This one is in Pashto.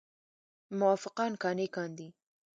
موافقان قانع کاندي.